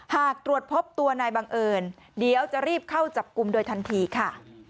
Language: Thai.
หากตรวจพบตัวนายบังเอิญเดี๋ยวจะรีบเข้าจับกลุ่มโดยทันทีค่ะ